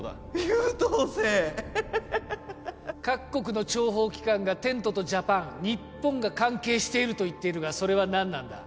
優等生各国の諜報機関がテントとジャパン日本が関係していると言っているがそれは何なんだ？